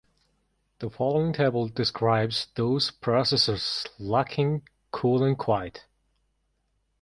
The following table describes those processors lacking Cool'n'Quiet.